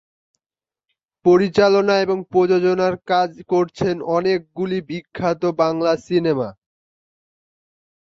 পরিচালনা ও প্রযোজনা করেছেন অনেকগুলি বিখ্যাত বাংলা সিনেমা।